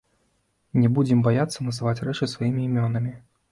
Не будзем баяцца называць рэчы сваімі імёнамі.